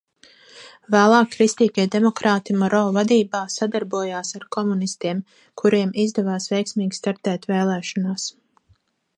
Vēlāk kristīgie demokrāti Moro vadībā sadarbojās ar komunistiem, kuriem izdevās veiksmīgi startēt vēlēšanās.